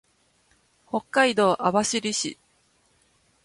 北海道網走市